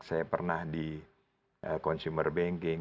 saya pernah di consumer banking